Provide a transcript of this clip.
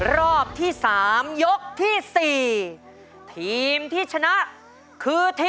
รอบที่๓ยกที่๔ทีมที่ชนะคือทีม